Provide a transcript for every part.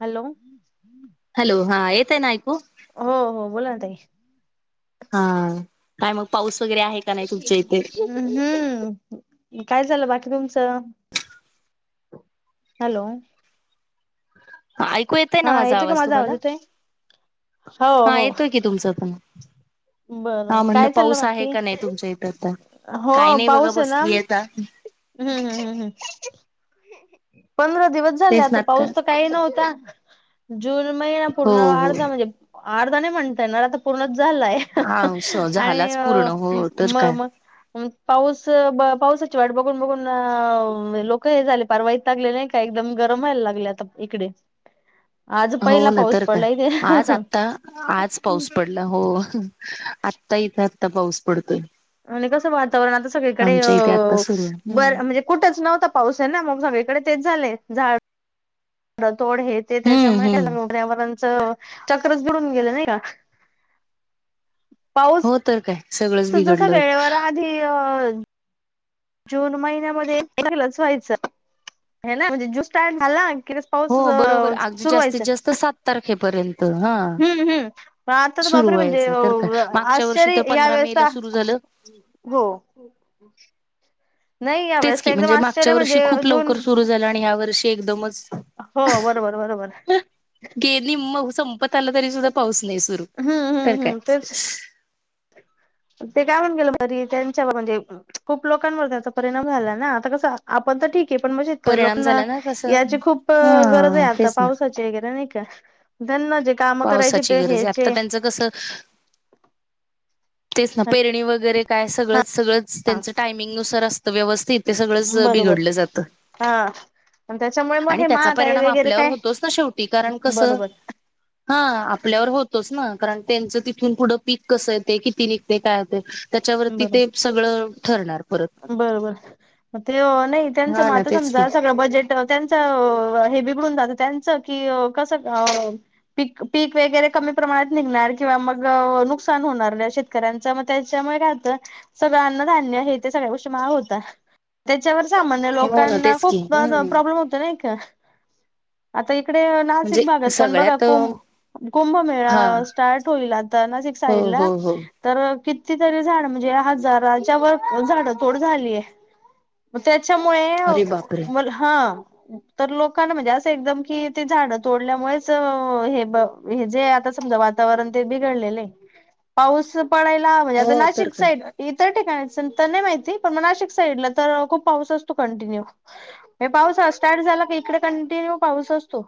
Hello! येतंय ना ऐकू? हो हो बोला ना ताई. हा काय मग पाऊस वगैरे आहे का नाही तुमच्या इथे. हम्म काय झालं बाकी तुमचं. हॅलो! ऐकू येतय हा ना माझा येतो का आवाज तुम्हाला? येतोय हो हा हो येतोय की तुमचं पण. बरं हा म्हणल काय चाललं पाऊस आहे बाकी का नाही तुमच्या इथं आता. हो काही नाही बघा पाऊस आहे ना बसलीय आता. हम्म हम्म हम् हम् हम्. पंधरा दिवस झाले तेच ना आता पाऊस तर काही नव्हता. जून महिना पूर्ण हो हो अर्धा म्हणजे अर्धा नाही म्हणता येणार, आता पूर्णच झालं हा झालाच पूर्ण आणि हो तर म काय म पाऊस ब पाऊसा ची वाट बघून बघून लोक हे झाले पार वैतागले नाही, का एकदम गरम व्हाययला लागले आता इकडे. आज हो पहिला ना पाऊस तर काय पडला इथे आज आता आज पाऊस पडला हो. आत्ता इथं आत्ता पाऊस पडतोय. आणि कसं वातावरण आता सगळीकडे अ आमच्या इथे आत्ता सुरू बर हम्म म्हणजे कुठंच नव्हत पाऊस आहे ना! मग सगळीकडे तेच झालेय झाड तोड हे ते त्याच्यामुळे हम्म [unintelligible] चक्रच बुडून गेलं नाही का? हो तर काय. सगळंच तू जस बिघडलं वेळेवर आधी अ जून महिन्यामध्ये [unintelligible] व्हायचं हे ना! म्हणजे जू स्टार्ट झाला [inaudible] म्हणजे, पाऊस हो बरोबर अ अगदी सुरू जास्तीत व्हायचं जास्त सात तारखेपर्यंत हा हम्म, हम्म म आता सुरू बापरे! म्हणजे व्हायचं अ तर काय व मागच्या वर्षी आश्चर्य तर ह्या पंधरा मे ला वेळेचा सुरू झालं हो. नाही या तेच वेळेस की एकदम म्हणजे मागच्या आश्चर्य वर्षी म्हणजे खूप जून लवकर सुरू झालं आणि ह्या वर्षी एकदमच हो बरोबर बरोबर. गे निम्म संपत आला तरी सुद्धा पाऊस नाही सुरू हम्म तर हम्म काय. हम्म तेच ते काय [unintelligible] त्यांच्यावर म्हणजे, खूप लोकांवर त्याचा परिणाम झाला ना आता कस आपण तर ठीक हे पण म्हणजे, परिणाम लोकांना झाला ना कसं याची खूप गरज आहे, हा आता तेच ना पावसाची वगैरे नाही का. ज्यांना जे. काम करायचे पावसाची ते गरज आहे आत्ता हेचे त्यांचं कसं. तेच ना पेरणी वगैरे. काय सगळंच सगळंच हा त्यांचं टायमिंगनुसार असतं व्यवस्थितथे सगळंच बरोबर बिघडलं जातं. हा. त्याच्यामुळे मग आणि हे त्याचा महागाई परिणाम वगैरे आपल्यावर काय होतोच ना शेवटी कारण कसं बरोबर. हा आपल्यावर होतोच ना कारण त्यांचं तिथून पुढं पीक कसं येते किती नि. ते काय होते त्याच्यावरती बरोबर ते सगळं ठरणार परत. त्यांच हा ना मग तेच की समजा सगळं बजेट त्यांच हेी म्हणून जात. त्यांचं की कसं. पी पीक वगैरे कमी प्रमाणात निघणार किंवा मग नुकसान होणार शेतकऱ्यांच. ग त्याच्यामुळे सगळं अन्नधान्य हे ते सगळ्या गोष्टी महाग होता त्याच्यावर. सामान्य हो ना लोकांना तेच की खूप हम्म प्रॉब्लेम होत ना एक आता. इकडे म्हणजे नाशिक भागात पण बघा सगळ्यात को. हा कुंभमेळा स्टार्ट होईल आता नाशिक हो साईड ला हो हो तर कितीतरी झाड म्हणजे हजार झाड तोड झालीय. अरे बापरे त्याच्यामुळे हा तर लोकांना म्हणजे असं एकदम कि ते झाड तोडल्यामुळेच हे जे आता. वातावरण ते बिघडले पाऊस पडायला म्हणजे आता हो तर नाशिक का साईड इ नाही माहिती पण नाशिक साईडला तर खूप पाऊस असतो कंटिन्यू पाऊस. झाला की इकडे कंटिन्ययू पाऊस असतो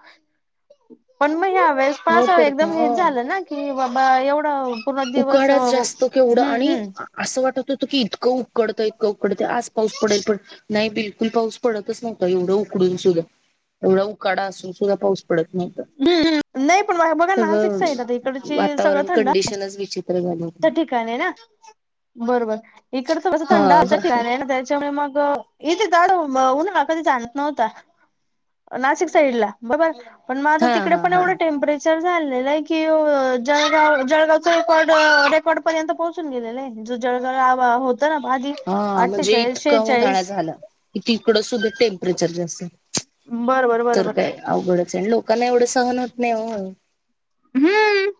पण म- वेळेस हो पण तर का एकदम हो हेच झालं ना की बाबा एवढं पूर्ण दिवस. हम्म असतो केवढं हम्म आणि हम्म असं वाटत की. त होत की इतकं उकडतं इतकं उकडतं आज पाऊस पडेल पण नाही बिलकुल पाऊस पडतच नव्हता एवढ. एवढं उकडून सुद्धा एवढा उकाडा असून सुद्धा पाऊस. हम्म नाही पण बघा नाशिक सगळ साईड आता इकडची सगळं वातावरण थंड कंडीशन ठिकाण आहे ना. बरोबर इकड थोडंस थंड हा हवेचं ठिकाण त्याच्यामुळे मग. इथे जास्त उन्हाळा कधी जाणवत नव्हता नाशिक साईड ला बर. पण आत्ता हा तिकडे हा पण हा. एवढं टेम्परेचर. असं झालाय कि जळगाव जळगावचा रेकॉर्ड रेकॉर्ड पर्यंत पोहचून गेलेले ज जळगाव. ना आधी हा म्हणजे अठ्ठेचाळीस इतका उन्हाळा शेहेचाळीस झाला क तिकडं सुद्धा टेम्परेचर जास्त. बरोबर तर बरोबर काय अवघडच आणि लोकांना एवढं सहन होत नाही हो. हम्म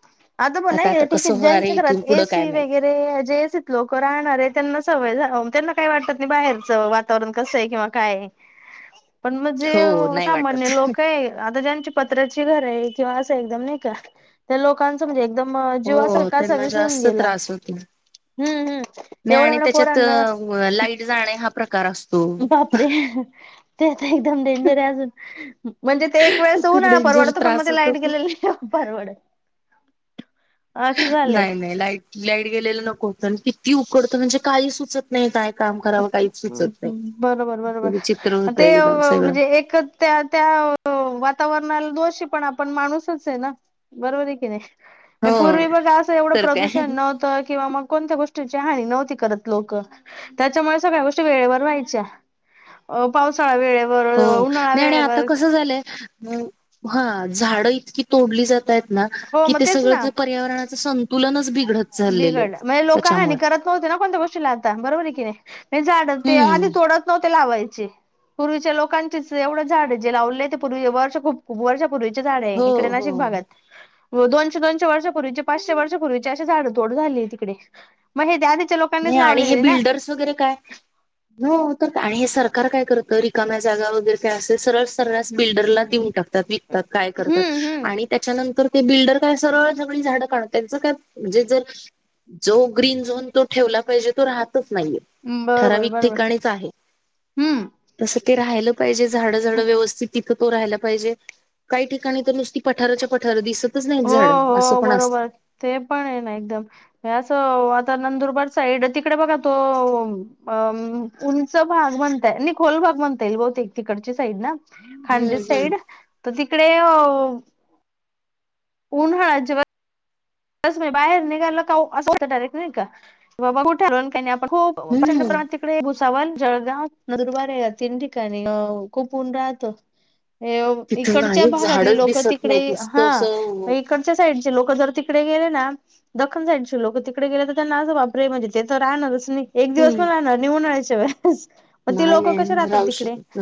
आता बघ नाही ठीके कसं होणार आहे ज्यांच्या इथून घरात पुढं काय एसी माहित. वैगेरे जे एसित लोक रहाणारे त्यांना सवय. त्यांना काही वाटतात नाही बाहेरचं वातावरण कसं आहे किंवा काय. पण मग जे हो नाही वाटत. सामान्य लोक आहे आता ज्यांची पत्राची घर आहे किंवा असं एकदम नाही. त्या लोकांचं म्हणजे एकदम जीव असा हो त्यांना कासावीस होऊन जास्त गेला. त्रास होतो. हम्म हम्म नाही एवढं आणि एवढ त्याच्यात पोरांना लाईट जाणे हा प्रकार असतो. बापरे ते आता एकदम डेंजर आहे अजून म्हणजे ते एक खूप उन्हाळा डेंजर परवडतो पण त्रास मध्ये होतो लाईट खूप. गेलेली नाही परवडत. [unintelligible] असं झालंय नाही नाही लाईट लाईट गेलेलं नकोत किती उकडत म्हणजे काही सुचत. नाही काय काम कराव. बरोबर बरोबर विचित्र होतं ते एकदम सगळं म्हणजे एक त्या त्या वातावरण. दोषी पण आपण माणूसच आहे ना बरोबर आहे की हो नाही. पूर्वी बघ असं एवढं तर काय प्रदूषण नव्हतं किंवा मग कोणत्या गोष्टी. न्हवती करत लोक त्यामुळे. वेळेवर व्हायच्या, पावसाळा वेळेवर. हो उन्हाळा नाही आणि आता वेळेवर कसं झालंय. हा झाडं इतकी तोडली जात आहेत ना हो कि मग ते तेच सगळं ना तर पर्यावरणाच संतुलनच बिघडतं चा बिघडलय म्हणजे लोक हा करत नव्हते ना कोणत्या गोष्टीला आता बरोबर आहे की नाही झाड ते आधी हम्म तोडत नव्हते ते लावायचे पूर्वीच्या लोकांचे एवढ झाड जे लावले ते पूर्वी वर्ष खूप खूप वर्ष पूर्वीचे झाड आहे हो इकडे हो नाशिक भागात दोनशे दोनशे वर्षा पूर्वीचे पाचशे वर्ष पूर्वीचे. अशी झाड तोड झाली आहे तिकडे मग ते आधी नाही आणि हे बिल्डर्स वगैरे काय हो तर काय आणि हे सरकार. सरकार काय करतं रिकाम्या जागा वगैरे काय असेल सरळ. सऱ्हास बिल्डरला देऊन टाकतात विकतात काय करतात हम्म हम्म आणि त्याच्या नंतर ते बिल्डर काय सरळ सगळी झाडं काढतात त्यांच काय म्हणजे जर जो ग्रीन झोन तो. ठेवला पाहिजे तो राहतच नाहीये बरोबर ठराविक बरोबर ठिकाणीच आहे हम्म तस. ते राहिलं पाहिजे झाड झाड व्यवस्थित तिथं. तो राहायला पाहिजे काही ठिकाणी तर नुसती पठारच्या पठार दिसत. हो हो बरोबर ते पण आहे ना एकदमं म्हणजे असं. नंदुरबार साईड तिकडे बघा तो उंच भाग म्हणताय नाही खोल भाग म्हणता येईल बहुतेक तिकडची साईड ना. हम्म खान्देश साईड तर तिकडे उन्हाळ्यात जेव्हा तस नाही बाहेर निघालं का असं होतं डायरेक्ट नाही का बाबा कुठ? हो हम्म प्रचंड हम्म प्रमाणात तिकडे. भुसावळ जळगाव नंदुरबार आहे तीन ठिकाणी खूप ऊन राहत. तिथं इकडच्या नाही भागातली झाडच लोकं दिसत तिकडे नाहीत हा नुसतं असं इकडच्या साईड. लोक जर तिकडे गेले ना दख्खन साईडचे लोक तिकडे गेले तर त्यांना असं बापरे म्हणजे ते तर राहणारच. एक दिवस हम्म पण राहणार नाही उन्हाळ्याच्या वेळ मग ते नाही लोक कसे नाही राहतात राहू तिकडे शकत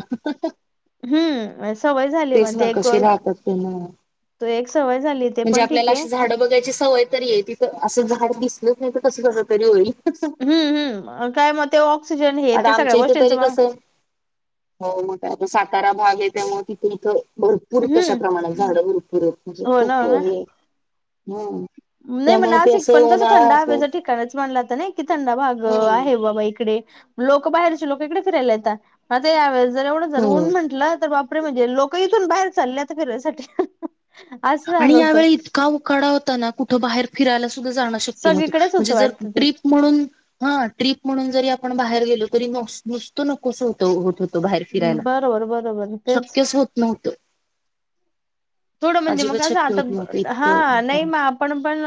हम्म. सवय झाली तेच मग ना ते एक कशी राहतात ते ना. एक सवय झाली ते म्हणजे पण ठीक आपल्याला आहे अशी झाड बघायची सवय तरी आहे तिथ असं झाड दिसलंच नाही तर कस कस तरी होईल. हम्म हम् काय मग ते ऑक्स आता आमच्या इथे तरी कस हो मग काय सातारा भाग आहे त्यामुळे तिथं. इथ भरपूर तशा प्रमाणात हम्म झाड भरपूर आहेत म्हणजे हो ना खूप हो ना हे हम. नाही म नाशिक पण कस थंड हवेचं ठिकाणच मानलं जात की थंडा भाग हम्म आहे बाबा इकडे. लोक बाहेरचे लोक इकडे फिरायला येता आता यावेेळेस जर एवढं जर हो ऊन म्हटलं तर बाप. अरे म्हणजे लोक इथून बाहेर चालले आता फिरायसाठी असं आणि झालं होतं यावेळी इतका उकाडा होता ना कुठं बाहेर फिरायला सुद्धा कुठं जाण शक्य नव्हत सगळीकडेच म्हणजे होतं जर वाटतं ते. ट्रिप म्हणून हा ट्रिप म्हणून जरी आपण आपण बाहेर गेलो तरी नो नुसत नकोस होत होत होत. बाहेर फिरायला बरोबर बरोबर तेच. शक्यच होत नव्हतं. थोडं म्हणजे मग अजिबात असं शक्य होत नव्हतं आता इतकं हा नाही मग आपण पण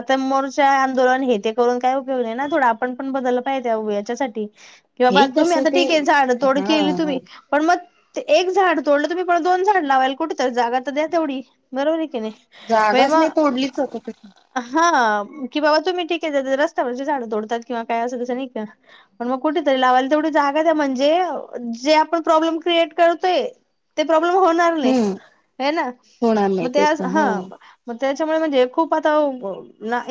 आता मोरच्या काय आंदोलन हे ते करून काय उपयोग नाही ना थोडं आपण पण बदललं पाहिजे याच्यासाठी किंवा बा हे तुम्ही कसं आता ते ठीके झाड तोड हा केली हा तुम्ही पण मग ते एक झाड तोडलं तुम्ही पण दोन झाड लावायला कुठे तर जागा तर द्या तेवढी बरोबर आहे की जागाच नाही तोडलीच होत तशी. हा. की बाबा तुम्ही ठिके रस्त्यावरची झाड तोडतात किंवा काय अस तस नाही का पण मग कुठ तरी लावायला तेव जागा द्या म्हणजे जे आपण प्रॉब्लेम क्रिएट करतोय ते प्रॉब्लेम होणार नाही. हम्म आहे ना होणार म नाही ते तेच आज ना हा हो म त्याच्यामुळे म्हणजे खूप आता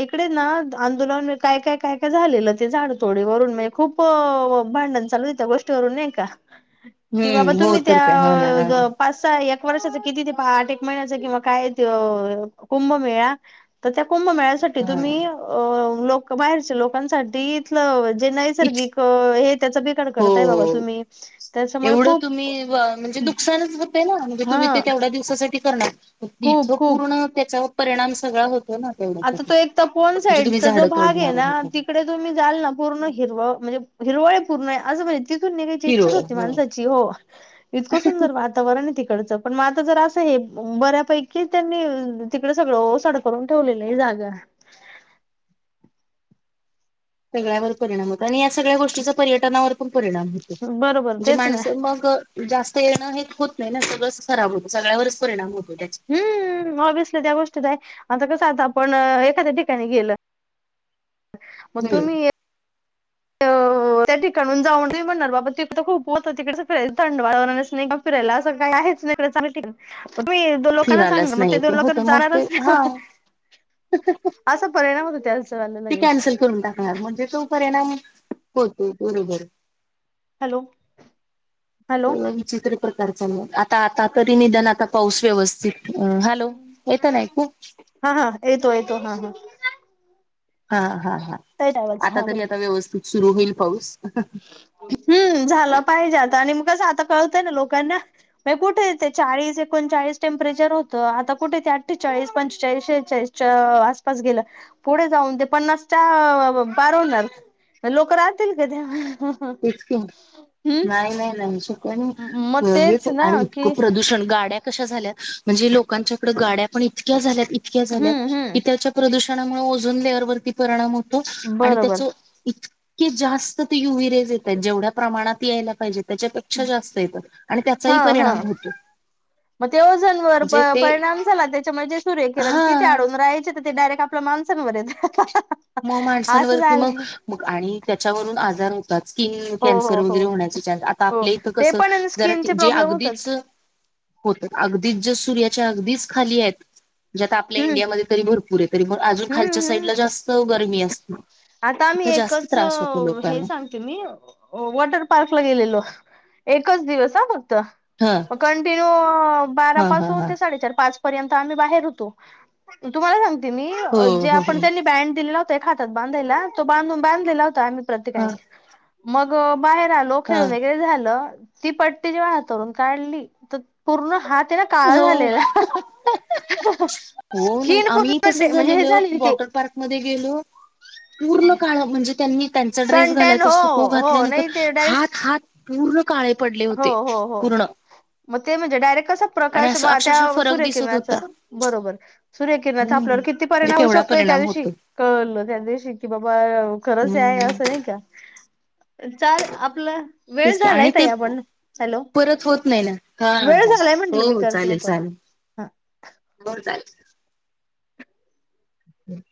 इकडे ना आंदोलन काय काय काय काय झालेलं ते झाडा. थोडी वरून म्हणजे खूप भांडण चालू आहे त्या गोष्टीवरून नाही का? कि बाबा हम्म हो तुम्ही तर काय हो ना हा त्या पाच सहा एक वर्षाच किती ते आठ एक महिन्याच किंवा काय कुंभमेळा तर त्या कुंभमेळ्यासाठी हा तुम्ही अ लोक बाहेरच्या लोकांसाठी इथलं इत नैसर्गिक हे त्याच बिगाड हो करताय बाबा तुम्ही, त्याच्यामुळे एवढं खूप तुम्ही व म्हणजे नुकसानच होते ना म्हणजे हा तुम्ही ते तेवढ्या दिवसा करणार ईथ खूप खूप पूर्ण त्या परिणाम सगळा होतो ना आता तेवढ्यासाठी तो एक तपोवन म्हणजे तुम्ही साईडचा जो झाडं भागे तोडणार ना आहे तिकडे तुम्ही जाल ना पूर्ण हिरवा म्हणजे हिरवळ पूर्ण असं म्हणजे तिथून निघायची इच्छाच होती माणसाची हो इतकं सुंदर वातावरणे तीक डच पण म आता जर असं हे बऱ्यापैकी त्यांनी तिकड सगळं ओसाड करून ठेवलेलं. जागा. सगळ्यावर परिणाम होतो आणि या सगळ्या गोष्टीचा पर्यटनावर पण परिणाम होतोय. बरोबर जे तेच ना. माणसं मग जास्त येणं हे होत नाही ना, सगळंच खराब होतं सगळ्यावरच परिणाम होतो. त्याचा. हम्मम ऑभिसली त्या गोष्ट त आहे. आता कसं आता आपण एखाद्या ठिकाणी गेल, म हम्म. तुम्ही [inaudible] त्या ठीकानुन जाऊन तुम्ही म्हणार बाबा तिथ तर खूप होतं तिकडचं फियच थंडातावरण नाही फिरायला असं काय आहे. तुम्ही दोन लोकांना फिरायलाच सांगणार म नाही ते दोन लोक होतं मग ते जाणारच ना. हा असा परिणाम त्याच वाला ते लगेच. कॅन्सल करून टाकणार म्हणजे तो परिणाम होतो बरोबर. Hello, hello. सगळं विचित्र प्रकार चालेत आता आता तरी निदन आता पाऊस व्यवस्थित अ हॅलो, येतन ऐकू. हा हा येतो येतो हा हा हा हा हा, येतोय आवाज आता हा तरी बोला. आता व्यवस्थित सुरू होईल पाऊस. हम्म झालं पाहिजे आता आणि म कस आता कळतय ना लोकांना म कुठे ते चाळीस -ऐकोनचाळीस टेंपरेचर होत आता कुठे आठेचाळीस चाळीस पंचाळीचाळीस, शेचाळीस आसपास गेलं पुढे जाऊन ते पन्नासच्या पार हो नार, लोक राहतील का? तेच की ह. नाही, नाही, नाही शक्य मग नाही तेच ना आणि इतकं की प्रदूषण गाड्या कशा झाल्या म्हणजे लोकच्या कडे गाड्या पण इतक्या झाल्या इतक्या झाल्या हम्म की हम्म त्याच्या प्रदुषण नामुळ ओझन लेर वरती परिणाम होत, आणि बरोबर त्या इतके जास्त ते युयेरेस जेवढ्या प्रमाणात यायला पाहिजे त्याच्यापेक्षा जास्त येत, आणि हा त्याचाही हा परिणाम होतो. मग ते ओजन वर म्हणजे ते परिणाम झाला त्याच्या मुळे ते सूर्य किरण तिथ हा अडून राहायचेय ते डायरेक्ट आपल्या माणसांवर येता. मग माणसांवरती मग आणि त्याच्यावरून आजार हो ता स्किन हो कॅन्सर हो हो वगैरे होण्याचे चान्स आता हो आपल्या इथं ते कसं पण जरा स्किनचे जे प्रॉब्लेम अगदीच होतात होत अगदीच ज सूर्याच्या अगदीच खालीयेत ज्यात आपल्या हम्म इंडिया मध्ये तरी भरपूरे अजून खालच्या हम्म हम्म साईडला जास्त गरमी असती. आता आम्ही एकच हे सांगते मी वॉटर पार्कला गेलेलो. एकच दिवस ह फक्त हा मग कंटिन्यू हा हा बारापासून हा ते साडेचार पाच पर्यंत आम्ही बाहेर होतो तुमला सांगती मी हो जे हो हो आपण त्यांनी बॉन्ड दिलेला होता एका हातात. बांधाला तो बधून बांधलेला होता आम्ही हा प्रत्येकाने मग बाहेर आलो हा खेळून वगैरे झालं ती पट्टी जेव्हा हातावरून काढली तर पूर्ण हात ते ना काळा हो झालेला. हो नाही स्किन आम्ही कस पूर्ण म्हणजे हे झालेलो झालेली ते वॉटर पार्क मध्ये गेलो. [inaudible] पूर्ण काळ म्हणजे त्यांनी त्यांचा ड्रेस सनटॅन घालायचा हो असतो तो हो घातल्यानंतर नाही ते डायरेक्ट हात हात पूर्ण काळे पडले हो होते हो हो, पूर्ण मग ते म्हणजे डायरेक्ट अस आणि प्रकाश असं अक्षरशः त्या फरक सर्य दिसत होता किरणांचा बरोबर. कीरणाचा हम्म आपल्यावर किती म्हणजे परिणाम होऊ केवढा शकतोय हे त्या परिणाम दिवशी होतो कळलं त्या दिवशी की बाबा खरच हम्म याअस ल आपलं वेळ तेच की, आणि ते झालाय आपण हॅलो परत होत नाही ना हा वेळ झालाय म्हंटल मी करते म कॉल हा बर चालतय हम्